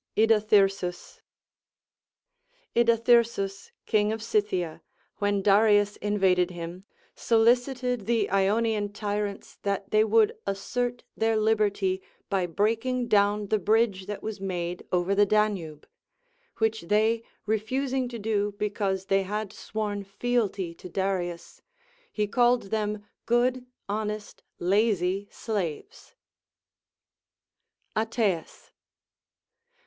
Idathyrsus. Idathyrsus, King of Scythia, when Darius invaded him, solicited the Ionian tyrants that they Avould assert their liberty by breaking down the bridge that was made over the Danube : which they refusing to do because they had sworn fealty to Darius, he called them good, honest, lazy slaves. Ateas.